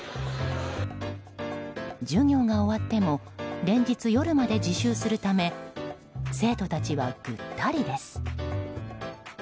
授業が終わっても連日夜まで自習するため生徒たちは、ぐったりです。